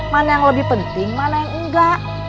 mana yang lebih penting mana yang enggak